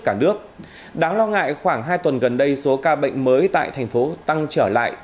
cả nước đáng lo ngại khoảng hai tuần gần đây số ca bệnh mới tại thành phố tăng trở lại